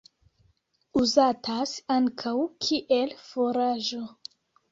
Uzatas ankaŭ kiel furaĝo.